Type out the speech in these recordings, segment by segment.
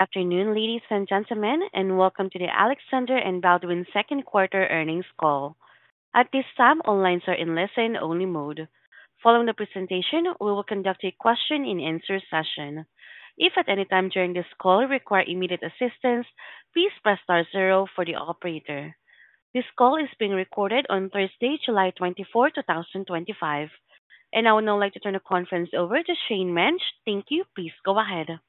Afternoon, ladies and gentlemen, and welcome to the Alexander & Baldwin second quarter earnings call. At this time, all lines are in listen-only mode. Following the presentation, we will conduct a question-and-answer session. If at any time during this call you require immediate assistance, please press star zero for the operator. This call is being recorded on Thursday, July 24, 2025. I would now like to turn the conference over to Cheyne Mench. Thank you. Please go ahead.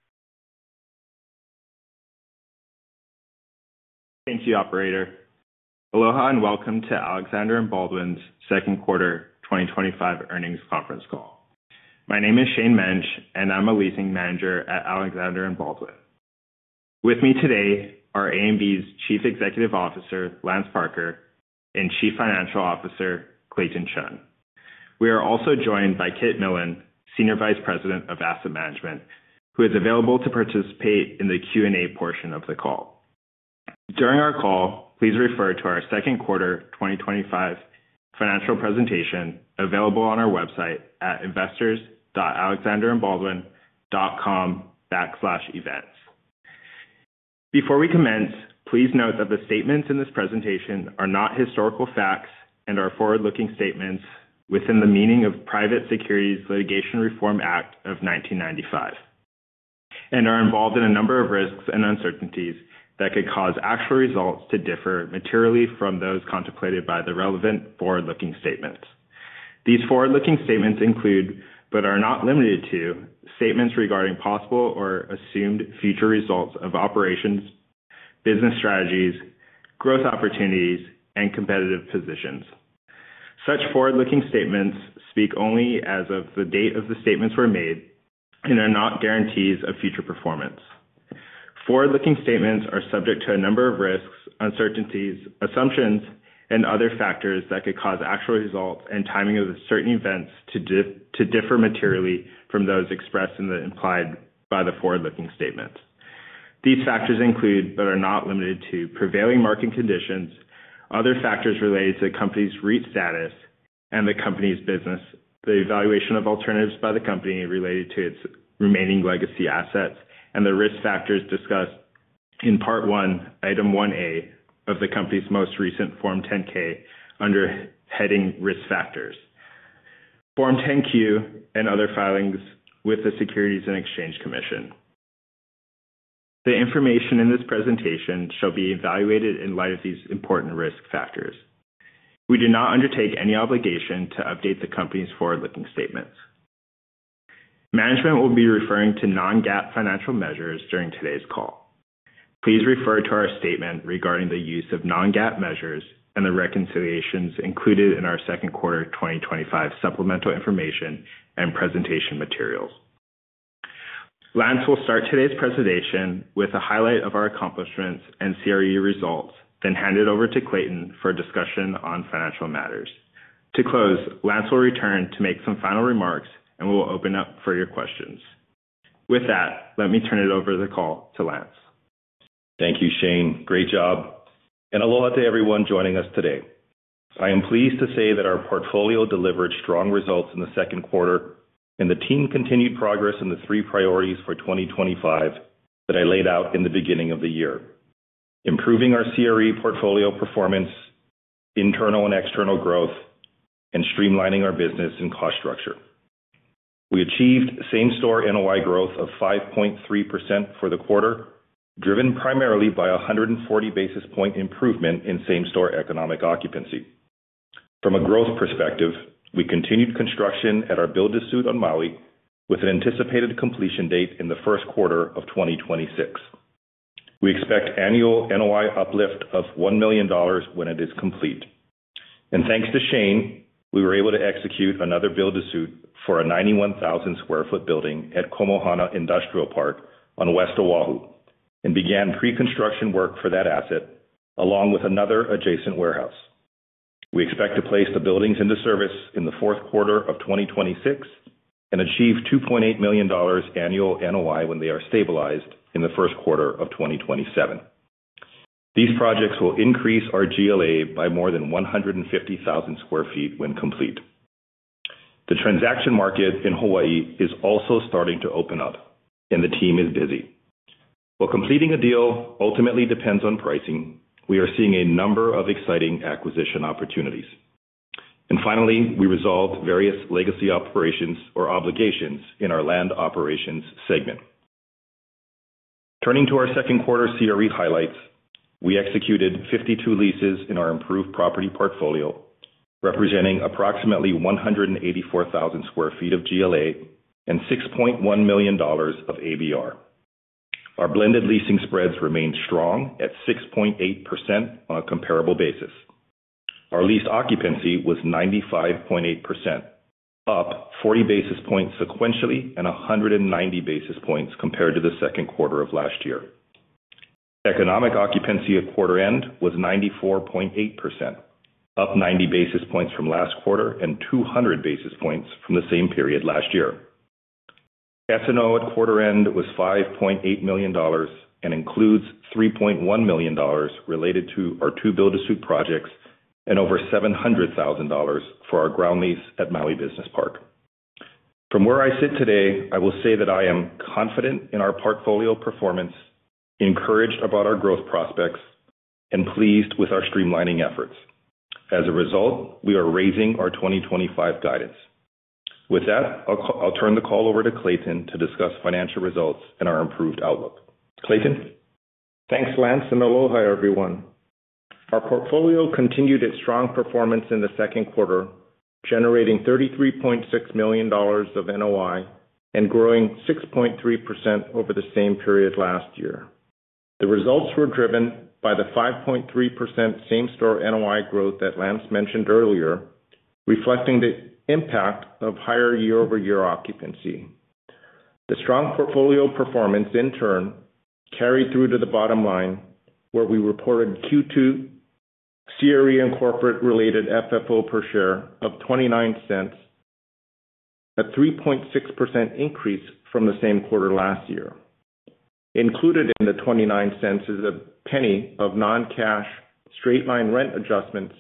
Thank you, operator. Aloha and welcome to Alexander & Baldwin's second quarter 2025 earnings conference call. My name is Cheyne Mench, and I'm a Leasing Manager at Alexander & Baldwin. With me today are A&B's Chief Executive Officer, Lance Parker, and Chief Financial Officer, Clayton Chun. We are also joined by Kit Millan, Senior Vice President of Asset Management, who is available to participate in the Q&A portion of the call. During our call, please refer to our second quarter 2025 financial presentation available on our website at investors.alexanderandbaldwin.com/events. Before we commence, please note that the statements in this presentation are not historical facts and are forward-looking statements within the meaning of the Private Securities Litigation Reform Act of 1995, and are involved in a number of risks and uncertainties that could cause actual results to differ materially from those contemplated by the relevant forward-looking statements. These forward-looking statements include, but are not limited to, statements regarding possible or assumed future results of operations, business strategies, growth opportunities, and competitive positions. Such forward-looking statements speak only as of the date the statements were made and are not guarantees of future performance. Forward-looking statements are subject to a number of risks, uncertainties, assumptions, and other factors that could cause actual results and timing of certain events to differ materially from those expressed in or implied by the forward-looking statement. These factors include, but are not limited to, prevailing market conditions, other factors related to the company's REIT status, and the company's business, the evaluation of alternatives by the company related to its remaining legacy assets, and the risk factors discussed in Part 1, Item 1A of the company's most recent Form 10-K, under heading Risk Factors, Form 10-Q and other filings with the Securities and Exchange Commission. The information in this presentation shall be evaluated in light of these important risk factors. We do not undertake any obligation to update the company's forward-looking statements. Management will be referring to non-GAAP financial measures during today's call. Please refer to our statement regarding the use of non-GAAP measures and the reconciliations included in our second quarter 2025 supplemental information and presentation materials. Lance will start today's presentation with a highlight of our accomplishments and CRE results, then hand it over to Clayton for a discussion on financial matters. To close, Lance will return to make some final remarks, and we'll open up for your questions. With that, let me turn it over to Lance. Thank you, Cheyne. Great job. And aloha to everyone joining us today. I am pleased to say that our portfolio delivered strong results in the second quarter and the team continued progress in the three priorities for 2025 that I laid out in the beginning of the year: improving our CRE portfolio performance, internal and external growth, and streamlining our business and cost structure. We achieved same-store NOI growth of 5.3% for the quarter, driven primarily by a 140 basis point improvement in same-store economic occupancy. From a growth perspective, we continued construction at our build-to-suit on Maui with an anticipated completion date in the first quarter of 2026. We expect annual NOI uplift of $1 million when it is complete. Thanks to Cheyne, we were able to execute another build-to-suit for a 91,000 sq ft building at Komohana Industrial Park on West O'ahu and began pre-construction work for that asset, along with another adjacent warehouse. We expect to place the buildings into service in the fourth quarter of 2026 and achieve $2.8 million annual NOI when they are stabilized in the first quarter of 2027. These projects will increase our GLA by more than 150,000 sq ft when complete. The transaction market in Hawaii is also starting to open up, and the team is busy. While completing a deal ultimately depends on pricing, we are seeing a number of exciting acquisition opportunities. Finally, we resolved various legacy obligations in our Land Operations segment. Turning to our second quarter CRE highlights, we executed 52 leases in our improved property portfolio, representing approximately 184,000 sq ft of GLA and $6.1 million of ABR. Our blended leasing spreads remained strong at 6.8% on a comparable basis. Our leased occupancy was 95.8%, up 40 basis points sequentially and 190 basis points compared to the second quarter of last year. Economic occupancy at quarter end was 94.8%, up 90 basis points from last quarter and 200 basis points from the same period last year. SNO at quarter end was $5.8 million and includes $3.1 million related to our two build-to-suit projects and over $700,000 for our ground lease at Maui Business Park. From where I sit today, I will say that I am confident in our portfolio performance, encouraged about our growth prospects, and pleased with our streamlining efforts. As a result, we are raising our 2025 guidance. With that, I'll turn the call over to Clayton to discuss financial results and our improved outlook. Clayton? Thanks, Lance, and aloha, everyone. Our portfolio continued its strong performance in the second quarter, generating $33.6 million of NOI and growing 6.3% over the same period last year. The results were driven by the 5.3% same-store NOI growth that Lance mentioned earlier, reflecting the impact of higher year-over-year occupancy. The strong portfolio performance, in turn, carried through to the bottom line, where we reported Q2 CRE and corporate-related FFO per share of $0.29, a 3.6% increase from the same quarter last year. Included in the $0.29 is a penny of non-cash straight-line rent adjustments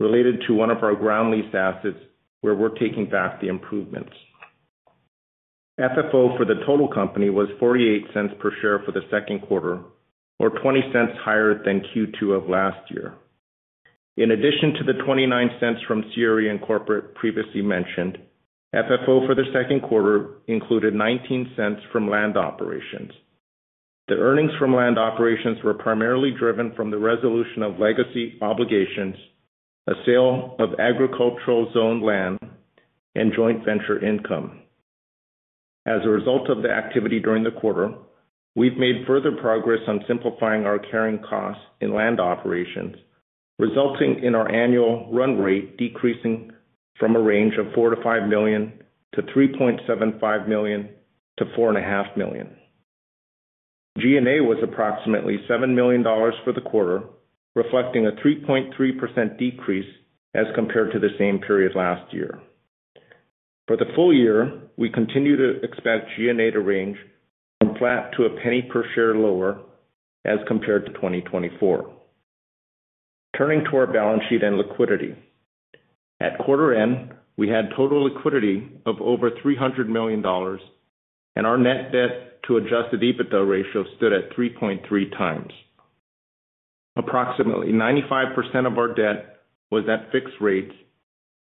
related to one of our ground lease assets, where we're taking back the improvements. FFO for the total company was $0.48 per share for the second quarter, or $0.20 higher than Q2 of last year. In addition to the $0.29 from CRE and corporate previously mentioned, FFO for the second quarter included $0.19 from Land Operations. The earnings from Land Operations were primarily driven from the resolution of legacy obligations, a sale of agricultural zoned land, and joint venture income. As a result of the activity during the quarter, we've made further progress on simplifying our carrying costs in Land Operations, resulting in our annual run rate decreasing from a range of $4 million-$5 million to $3.75 million-$4.5 million. G&A was approximately $7 million for the quarter, reflecting a 3.3% decrease as compared to the same period last year. For the full year, we continue to expect G&A to range from flat to a penny per share lower as compared to 2024. Turning to our balance sheet and liquidity. At quarter end, we had total liquidity of over $300 million, and our net debt to adjusted EBITDA ratio stood at 3.3x. Approximately 95% of our debt was at fixed rates,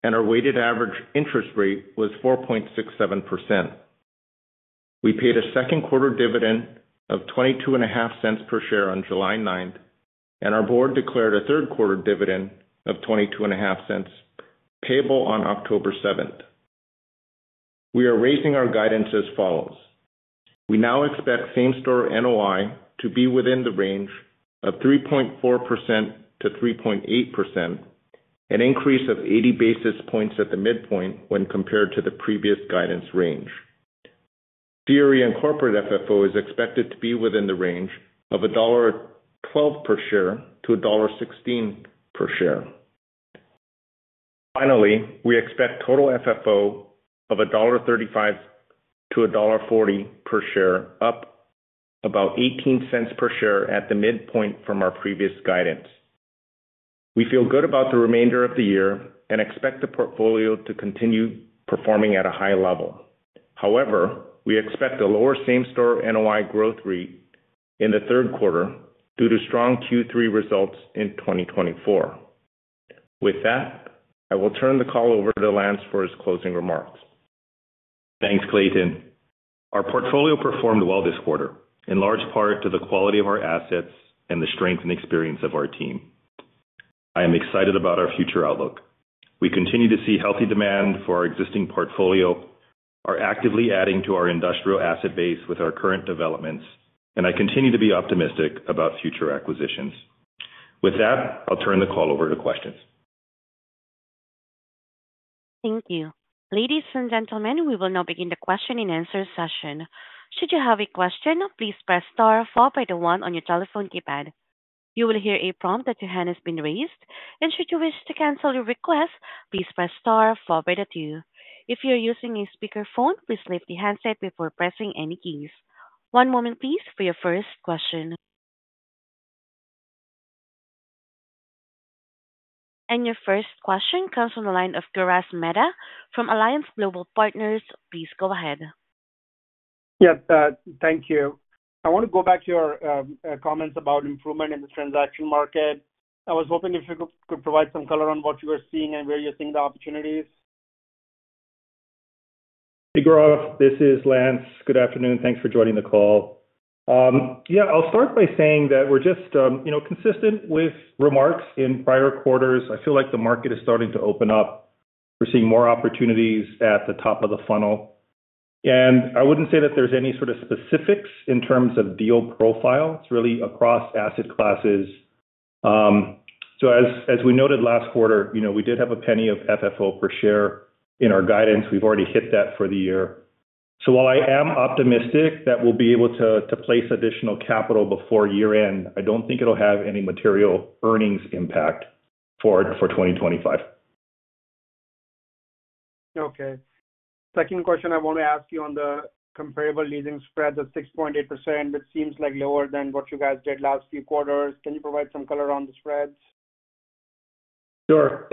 and our weighted average interest rate was 4.67%. We paid a second quarter dividend of $22.50 per share on July 9th, and our board declared a third quarter dividend of $22.50 payable on October 7th. We are raising our guidance as follows. We now expect same-store NOI to be within the range of 3.4%-3.8%, an increase of 80 basis points at the midpoint when compared to the previous guidance range. CRE and corporate FFO is expected to be within the range of $1.12 per share-$1.16 per share. Finally, we expect total FFO of $1.35 per share-$1.40 per share, up about $0.18 per share at the midpoint from our previous guidance. We feel good about the remainder of the year and expect the portfolio to continue performing at a high level. However, we expect a lower same-store NOI growth rate in the third quarter due to strong Q3 results in 2024. With that, I will turn the call over to Lance for his closing remarks. Thanks, Clayton. Our portfolio performed well this quarter, in large part to the quality of our assets and the strength and experience of our team. I am excited about our future outlook. We continue to see healthy demand for our existing portfolio, are actively adding to our industrial asset base with our current developments, and I continue to be optimistic about future acquisitions. With that, I'll turn the call over to questions. Thank you. Ladies and gentlemen, we will now begin the question-and-answer session. Should you have a question, please press star four by the one on your telephone keypad. You will hear a prompt that your hand has been raised, and should you wish to cancel your request, please press star four by the two. If you're using a speakerphone, please leave the handset before pressing any keys. One moment, please, for your first question. Your first question comes from the line of Gaurav Mehta from Alliance Global Partners. Please go ahead. Thank you. I want to go back to your comments about improvement in the transaction market. I was hoping if you could provide some color on what you were seeing and where you're seeing the opportunities. This is Lance. Good afternoon. Thanks for joining the call. I'll start by saying that we're just consistent with remarks in prior quarters. I feel like the market is starting to open up. We're seeing more opportunities at the top of the funnel. I wouldn't say that there's any sort of specifics in terms of deal profile. It's really across asset classes. As we noted last quarter, we did have a penny of FFO per share in our guidance. We've already hit that for the year. While I am optimistic that we'll be able to place additional capital before year-end, I don't think it'll have any material earnings impact for 2025. Okay. Second question, I want to ask you on the comparable leasing spreads of 6.8%, which seems like lower than what you guys did last few quarters. Can you provide some color on the spreads? Sure.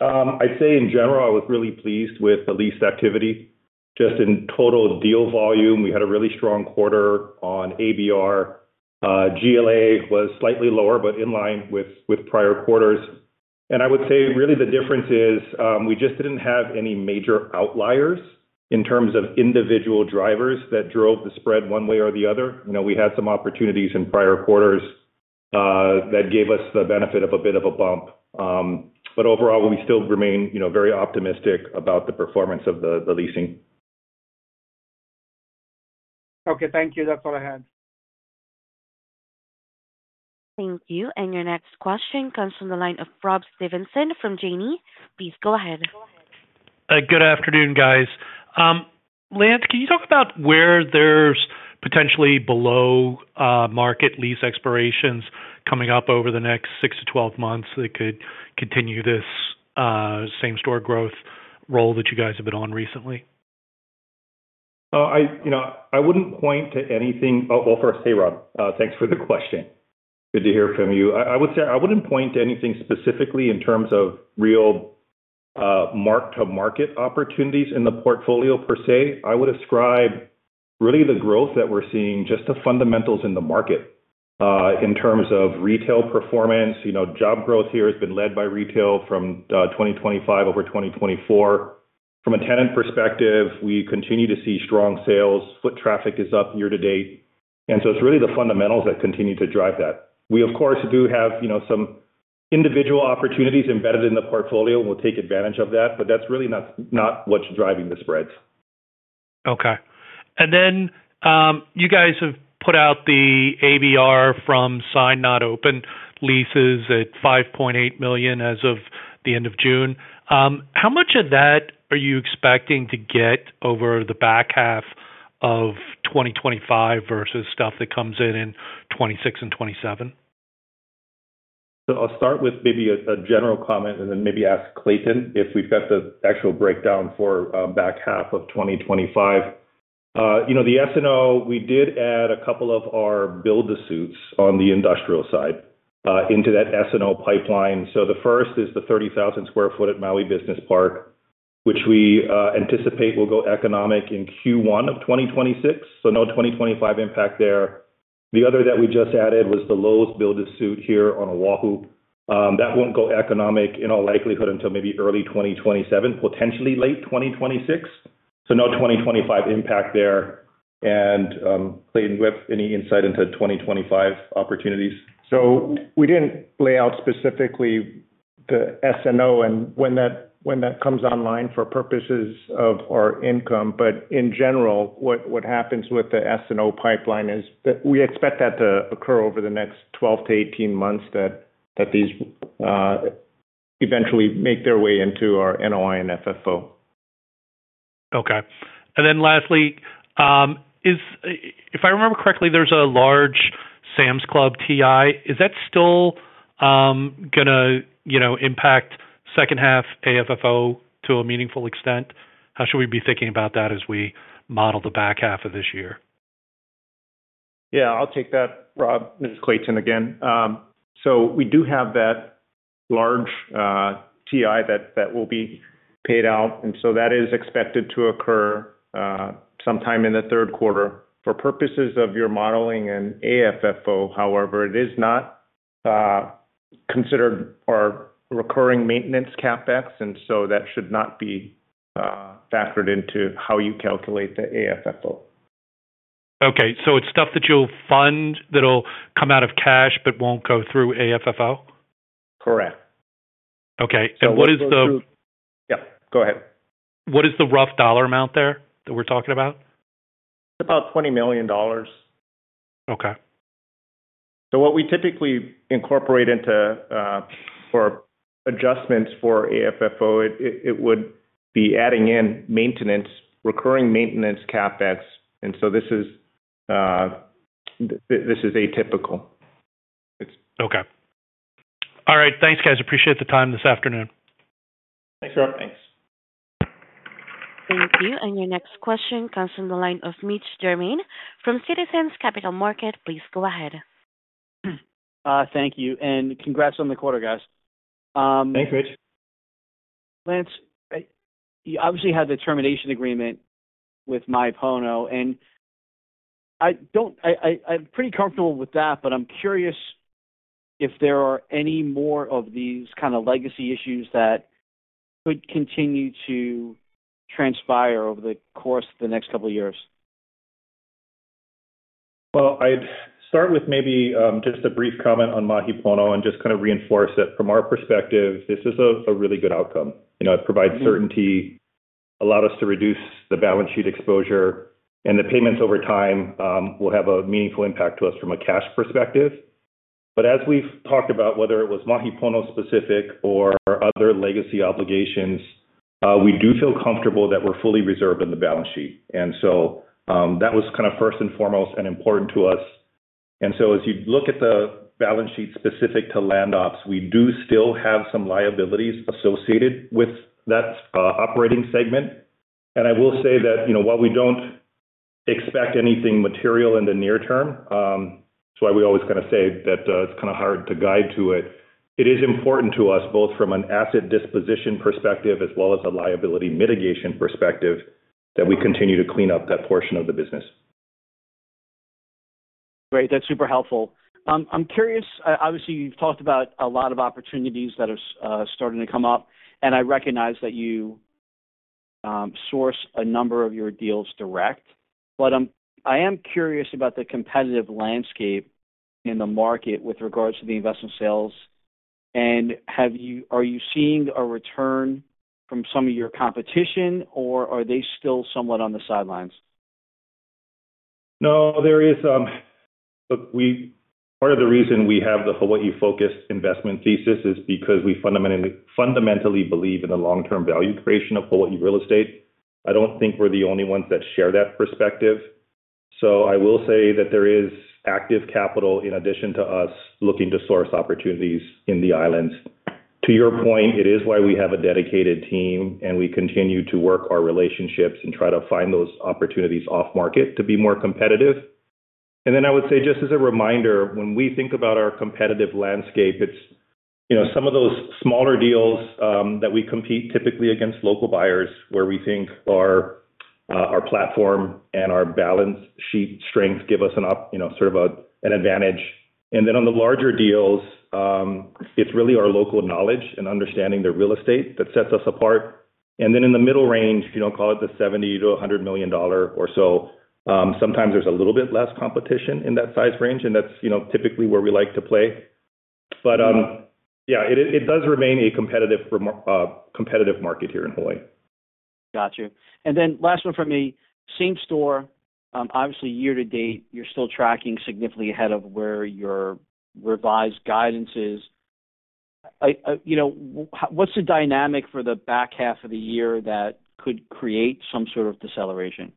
I'd say, in general, I was really pleased with the lease activity. Just in total deal volume, we had a really strong quarter on ABR. GLA was slightly lower, but in line with prior quarters. I would say, really, the difference is we just didn't have any major outliers in terms of individual drivers that drove the spread one way or the other. We had some opportunities in prior quarters that gave us the benefit of a bit of a bump. Overall, we still remain, you know, very optimistic about the performance of the leasing. Okay, thank you. That's all I had. Thank you. Your next question comes from the line of Rob Stevenson from Janney. Please go ahead. Good afternoon, guys. Lance, can you talk about where there's potentially below-market lease expirations coming up over the next 6 to 12 months that could continue this same-store growth role that you guys have been on recently? I wouldn't point to anything. First, hey, Rob, thanks for the question. Good to hear from you. I would say I wouldn't point to anything specifically in terms of real mark-to-market opportunities in the portfolio per se. I would ascribe really the growth that we're seeing just to fundamentals in the market in terms of retail performance. Job growth here has been led by retail from 2025 over 2024. From a tenant perspective, we continue to see strong sales. Foot traffic is up year to date. It's really the fundamentals that continue to drive that. We, of course, do have some individual opportunities embedded in the portfolio, and we'll take advantage of that, but that's really not what's driving the spreads. Okay. You guys have put out the ABR from signed not open leases at $5.8 million as of the end of June. How much of that are you expecting to get over the back half of 2025 versus stuff that comes in in 2026 and 2027? I'll start with maybe a general comment and then maybe ask Clayton if we've got the actual breakdown for back half of 2025. The SNO, we did add a couple of our build-to-suits on the industrial side into that SNO pipeline. The first is the 30,000 sq ft at Maui Business Park, which we anticipate will go economic in Q1 of 2026. No 2025 impact there. The other that we just added was the Lowe's build-to-suit here on O'ahu. That won't go economic in all likelihood until maybe early 2027, potentially late 2026. No 2025 impact there. Clayton, do you have any insight into 2025 opportunities? We didn't lay out specifically the SNO and when that comes online for purposes of our income, but in general, what happens with the SNO pipeline is that we expect that to occur over the next 12 to 18 months, that these eventually make their way into our NOI and FFO. Okay. Lastly, if I remember correctly, there's a large Sam's Club TI. Is that still going to impact second half AFFO to a meaningful extent? How should we be thinking about that as we model the back half of this year? Yeah, I'll take that, Rob. This is Clayton again. We do have that large TI that will be paid out, and that is expected to occur sometime in the third quarter. For purposes of your modeling and AFFO, however, it is not considered our recurring maintenance CapEx, and that should not be factored into how you calculate the AFFO. Okay. It's stuff that you'll fund that'll come out of cash but won't go through AFFO? Correct. Okay. What is the... Yeah, go ahead. What is the rough dollar amount there that we're talking about? It's about $20 million. Okay. What we typically incorporate into adjustments for AFFO would be adding in recurring maintenance CapEx. This is atypical. Okay. All right. Thanks, guys. Appreciate the time this afternoon. Thanks, Rob. Thanks. Thank you. Your next question comes from the line of Mitch Germain from Citizens Capital Market. Please go ahead. Thank you. Congrats on the quarter, guys. Thanks, Mitch. Lance, you obviously had the termination agreement with Mahi Pono, and I'm pretty comfortable with that, but I'm curious if there are any more of these kind of legacy issues that could continue to transpire over the course of the next couple of years. I'd start with maybe just a brief comment on Mahi Pono and just kind of reinforce that from our perspective, this is a really good outcome. It provides certainty, allowed us to reduce the balance sheet exposure, and the payments over time will have a meaningful impact to us from a cash perspective. As we've talked about, whether it was Mahi Pono specific or other legacy obligations, we do feel comfortable that we're fully reserved in the balance sheet. That was kind of first and foremost and important to us. As you look at the balance sheet specific to Land Ops, we do still have some liabilities associated with that operating segment. I will say that while we don't expect anything material in the near term, that's why we always kind of say that it's kind of hard to guide to it. It is important to us both from an asset disposition perspective as well as a liability mitigation perspective that we continue to clean up that portion of the business. Great. That's super helpful. I'm curious, obviously, you've talked about a lot of opportunities that are starting to come up. I recognize that you source a number of your deals direct. I am curious about the competitive landscape in the market with regards to the investment sales. Are you seeing a return from some of your competition, or are they still somewhat on the sidelines? No, there is... Part of the reason we have the Hawaii-focused investment thesis is because we fundamentally believe in the long-term value creation of Hawaii real estate. I don't think we're the only ones that share that perspective. I will say that there is active capital in addition to us looking to source opportunities in the islands. To your point, it is why we have a dedicated team, and we continue to work our relationships and try to find those opportunities off-market to be more competitive. I would say just as a reminder, when we think about our competitive landscape, it's some of those smaller deals that we compete typically against local buyers where we think our platform and our balance sheet strength give us sort of an advantage. On the larger deals, it's really our local knowledge and understanding their real estate that sets us apart. In the middle range, call it the $70 million-$100 million or so, sometimes there's a little bit less competition in that size range, and that's typically where we like to play. It does remain a competitive market here in Hawaii. Got you. Last one from me, same-store, obviously year to date, you're still tracking significantly ahead of where your revised guidance is. What's the dynamic for the back half of the year that could create some sort of deceleration?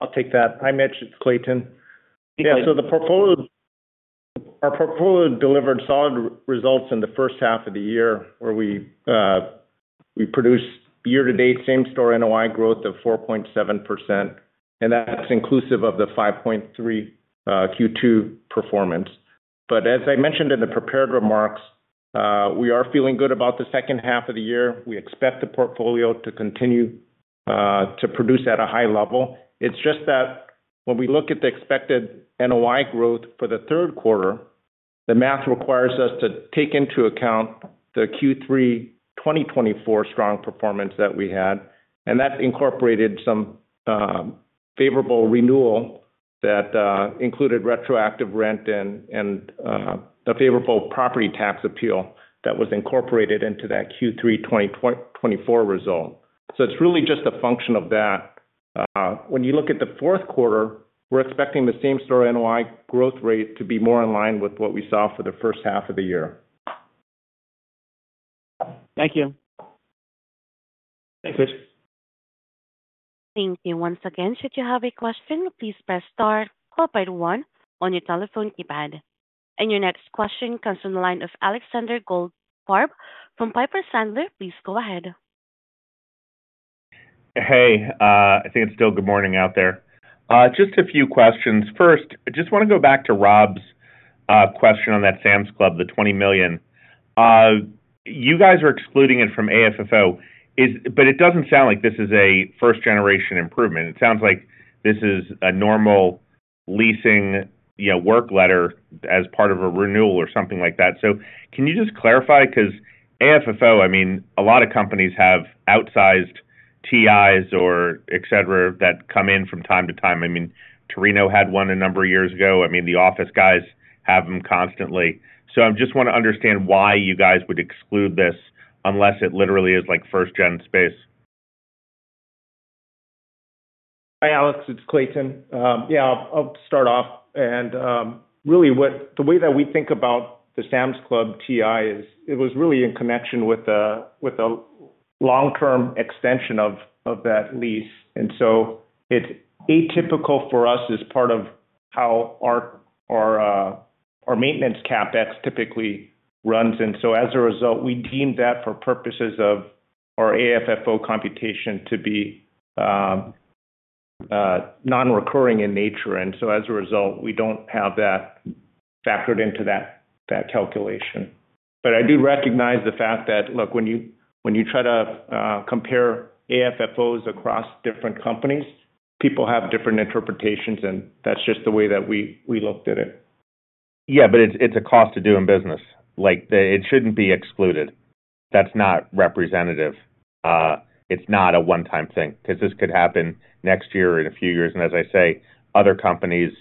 I'll take that. Hi, Mitch. It's Clayton. Yeah, the portfolio delivered solid results in the first half of the year where we produced year-to-date same-store NOI growth of 4.7%, and that's inclusive of the 5.3% Q2 performance. As I mentioned in the prepared remarks, we are feeling good about the second half of the year. We expect the portfolio to continue to produce at a high level. It's just that when we look at the expected NOI growth for the third quarter, the math requires us to take into account the Q3 2024 strong performance that we had, and that incorporated some favorable renewal that included retroactive rent and a favorable property tax appeal that was incorporated into that Q3 2024 result. It's really just a function of that. When you look at the fourth quarter, we're expecting the same-store NOI growth rate to be more in line with what we saw for the first half of the year. Thank you. Thank you. Once again, should you have a question, please press star four by the one on your telephone keypad. Your next question comes from the line of Alexander Goldfarb from Piper Sandler. Please go ahead. Hey, I think it's still good morning out there. Just a few questions. First, I just want to go back to Rob's question on that Sam’s Club, the $20 million. You guys are excluding it from AFFO, but it doesn't sound like this is a first-generation improvement. It sounds like this is a normal leasing, you know, work letter as part of a renewal or something like that. Can you just clarify? Because AFFO, I mean, a lot of companies have outsized TIs or etc. that come in from time to time. I mean, Torino had one a number of years ago. The office guys have them constantly. I just want to understand why you guys would exclude this unless it literally is like first-gen space. Hi, Alex. It's Clayton. I'll start off. Really, the way that we think about the Sam’s Club TI is it was really in connection with a long-term extension of that lease. It’s atypical for us as part of how our maintenance CapEx typically runs. As a result, we deemed that for purposes of our AFFO computation to be non-recurring in nature. As a result, we don't have that factored into that calculation. I do recognize the fact that, look, when you try to compare AFFOs across different companies, people have different interpretations, and that's just the way that we looked at it. Yeah, but it's a cost to doing business. It shouldn't be excluded. That's not representative. It's not a one-time thing because this could happen next year or in a few years. As I say, other companies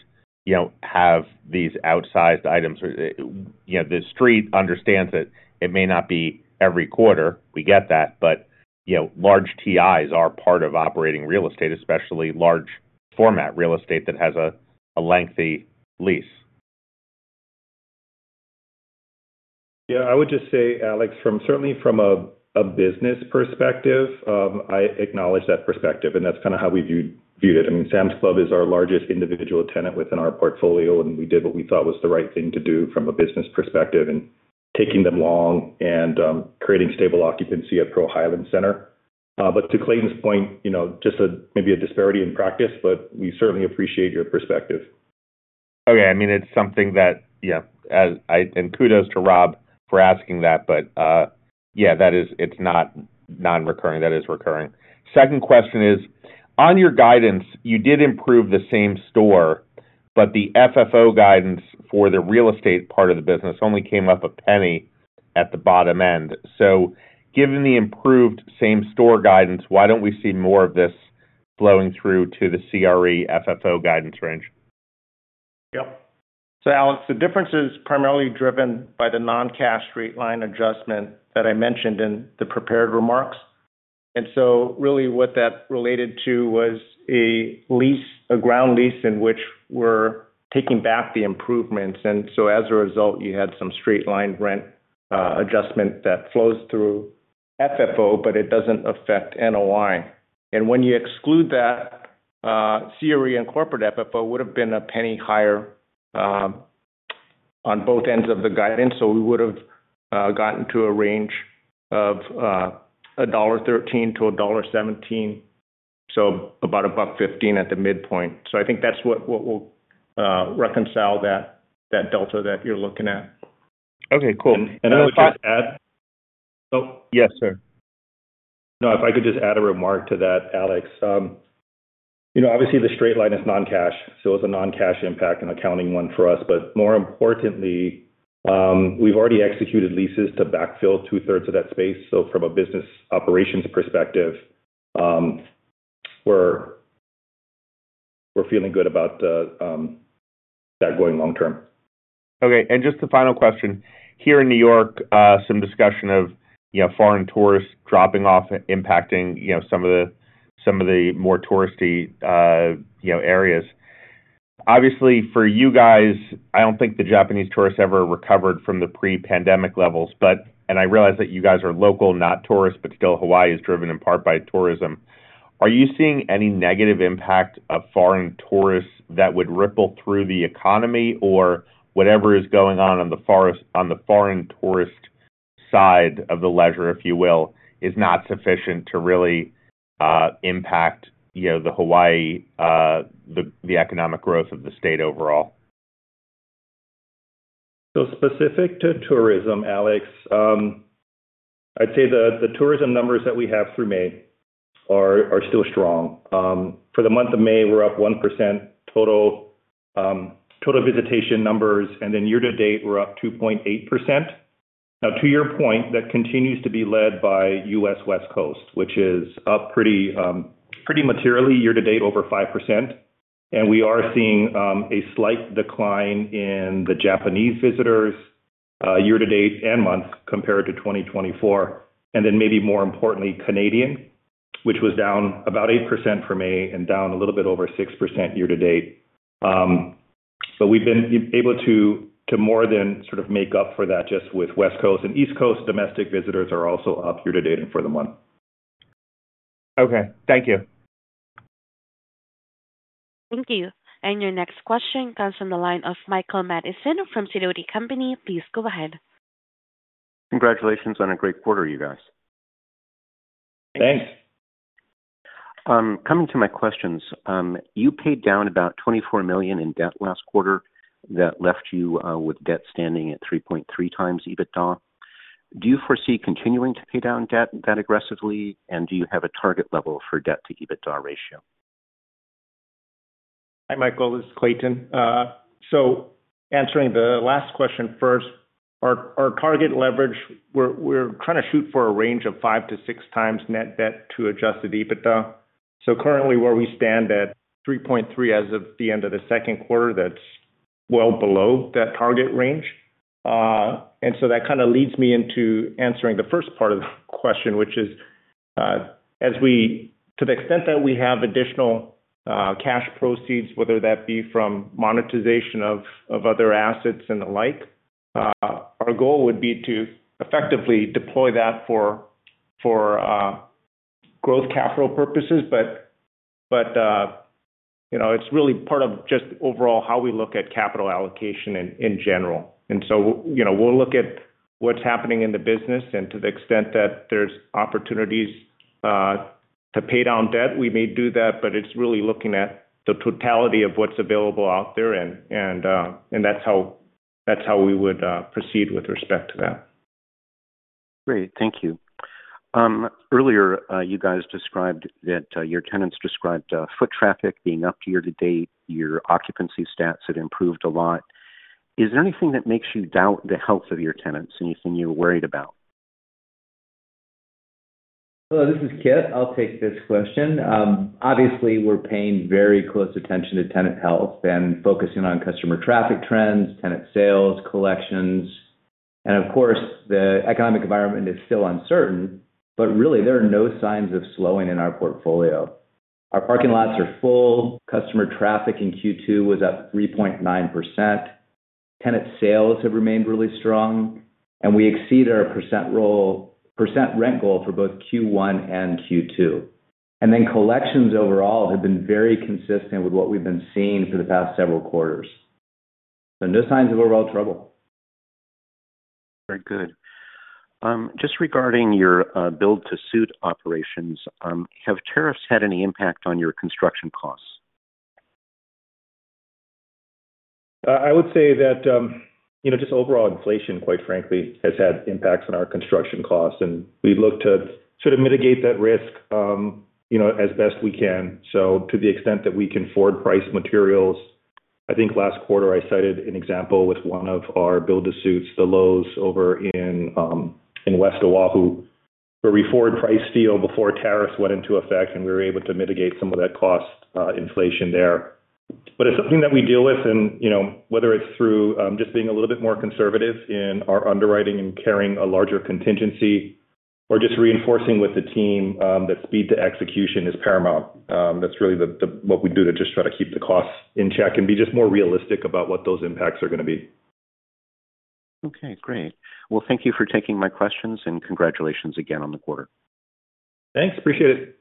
have these outsized items. The street understands that it may not be every quarter. We get that. Large TIs are part of operating real estate, especially large format real estate that has a lengthy lease. Yeah, I would just say, Alex, certainly from a business perspective, I acknowledge that perspective, and that's kind of how we viewed it. I mean, Sam’s Club is our largest individual tenant within our portfolio, and we did what we thought was the right thing to do from a business perspective in taking them long and creating stable occupancy at Pearl Highlands Center. To Clayton's point, maybe a disparity in practice, but we certainly appreciate your perspective. Okay, it's something that, yeah, kudos to Rob for asking that. That is, it's not non-recurring. That is recurring. Second question is, on your guidance, you did improve the same-store, but the FFO guidance for the real estate part of the business only came up a penny at the bottom end. Given the improved same-store guidance, why don't we see more of this blowing through to the CRE FFO guidance range? Yes. Alex, the difference is primarily driven by the non-cash straight-line adjustment that I mentioned in the prepared remarks. What that related to was a ground lease in which we're taking back the improvements. As a result, you had some straight-line rent adjustment that flows through FFO, but it doesn't affect NOI. When you exclude that, CRE and corporate FFO would have been a penny higher on both ends of the guidance. We would have gotten to a range of $1.13-$1.17, about $1.15 at the midpoint. I think that's what will reconcile that delta that you're looking at. Okay, cool. I would just add, yes, sir. If I could just add a remark to that, Alex. Obviously, the straight line is non-cash, so it's a non-cash impact and an accounting one for us. More importantly, we've already executed leases to backfill 2/3 of that space. From a business operations perspective, we're feeling good about that going long term. Just the final question. Here in New York, there is some discussion of foreign tourists dropping off and impacting some of the more touristy areas. Obviously, for you guys, I don't think the Japanese tourists ever recovered from the pre-pandemic levels, but I realize that you guys are local, not tourists, but still Hawaii is driven in part by tourism. Are you seeing any negative impact of foreign tourists that would ripple through the economy, or whatever is going on on the foreign tourist side of the ledger, if you will, is not sufficient to really impact Hawaii, the economic growth of the state overall? Specific to tourism, Alex, I'd say the tourism numbers that we have through May are still strong. For the month of May, we're up 1% total visitation numbers, and then year to date, we're up 2.8%. To your point, that continues to be led by U.S. West Coast, which is up pretty materially year to date over 5%. We are seeing a slight decline in the Japanese visitors year to date and month compared to 2024. Maybe more importantly, Canadian, which was down about 8% for May and down a little bit over 6% year to date. We've been able to more than sort of make up for that just with West Coast and East Coast. Domestic visitors are also up year to date for the month. Okay, thank you. Thank you. Your next question comes from the line of Michael Mathison from Sidoti & Company. Please go ahead. Congratulations on a great quarter, you guys. Thanks. Coming to my questions, you paid down about $24 million in debt last quarter. That left you with debt standing at 3.3x EBITDA. Do you foresee continuing to pay down debt that aggressively, and do you have a target level for debt to EBITDA ratio? Hi, Michael. This is Clayton. Answering the last question first, our target leverage, we're trying to shoot for a range of five to six times net debt to adjusted EBITDA. Currently, where we stand at 3.3x as of the end of the second quarter, that's well below that target range. That kind of leads me into answering the first part of the question, which is, to the extent that we have additional cash proceeds, whether that be from monetization of other assets and the like, our goal would be to effectively deploy that for growth capital purposes. It's really part of just overall how we look at capital allocation in general. We'll look at what's happening in the business and to the extent that there's opportunities to pay down debt, we may do that, but it's really looking at the totality of what's available out there. That's how we would proceed with respect to that. Great. Thank you. Earlier, you guys described that your tenants described foot traffic being up year to date. Your occupancy stats had improved a lot. Is there anything that makes you doubt the health of your tenants? Anything you're worried about? Hello, this is Kit. I'll take this question. Obviously, we're paying very close attention to tenant health and focusing on customer traffic trends, tenant sales, collections. Of course, the economic environment is still uncertain, but really, there are no signs of slowing in our portfolio. Our parking lots are full. Customer traffic in Q2 was up 3.9%. Tenant sales have remained really strong, and we exceeded our percent rent goal for both Q1 and Q2. Collections overall have been very consistent with what we've been seeing for the past several quarters. No signs of overall trouble. Very good. Just regarding your build-to-suit operations, have tariffs had any impact on your construction costs? I would say that, you know, just overall inflation, quite frankly, has had impacts on our construction costs. We look to sort of mitigate that risk, you know, as best we can. To the extent that we can forward price materials, I think last quarter I cited an example with one of our build-to-suits, the Lowe's over in West O'ahu, where we forward priced steel before tariffs went into effect, and we were able to mitigate some of that cost inflation there. It's something that we deal with, and, you know, whether it's through just being a little bit more conservative in our underwriting and carrying a larger contingency or just reinforcing with the team that speed to execution is paramount. That's really what we do to just try to keep the costs in check and be just more realistic about what those impacts are going to be. Okay, great. Thank you for taking my questions and congratulations again on the quarter. Thanks. Appreciate it.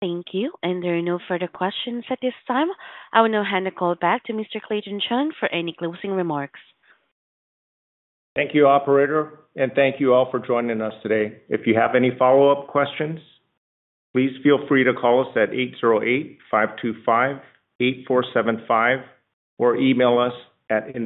Thank you. There are no further questions at this time. I will now hand the call back to Mr. Clayton Chun for any closing remarks. Thank you, operator, and thank you all for joining us today. If you have any follow-up questions, please feel free to call us at 808-525-8475 or email us at.